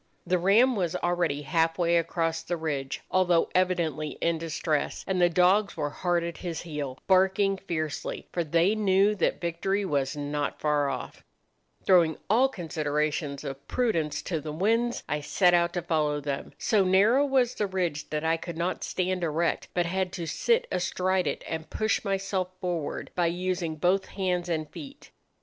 The ram was already half way across the ridge, although evidently in distress, and the dogs were hard at his heel, barking fiercely, for they knew that victory was not far off. "Throwing all considerations of prudence to the winds, I set out to follow them. So narrow was the ridge that I could not stand erect, but had to sit astride it, and push myself forward by using both hands and feet.